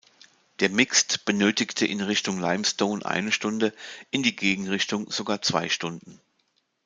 Der Mixed benötigte in Richtung Limestone eine Stunde, in die Gegenrichtung sogar zwei Stunden.